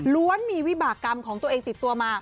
มีวิบากรรมของตัวเองติดตัวมา